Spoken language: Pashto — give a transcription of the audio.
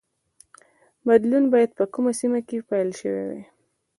بدلون باید په کومه سیمه کې پیل شوی وای.